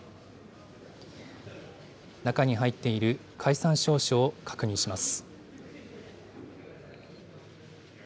中に入っている解散詔書を確認します。